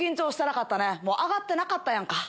上がってなかったやんか。